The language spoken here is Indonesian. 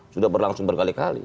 sudah berlangsung berkali kali